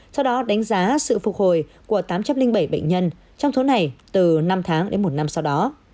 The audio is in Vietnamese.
sau đó đánh giá sự phục hồi của tám trăm linh bảy bệnh nhân trong số này từ năm tháng đến một năm sau đó